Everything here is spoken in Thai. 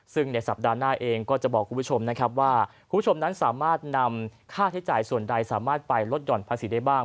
ซึ่งในสัปดาห์หน้าเองก็จะบอกคุณผู้ชมนะครับว่าคุณผู้ชมนั้นสามารถนำค่าใช้จ่ายส่วนใดสามารถไปลดหย่อนภาษีได้บ้าง